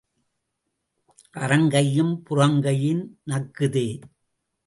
அறங்கையும் புறங்கையும் நக்குதே.